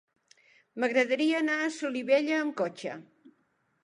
M'agradaria anar a Solivella amb cotxe.